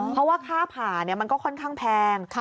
เพราะว่าค่าผ่ามันก็ค่อนข้างแพง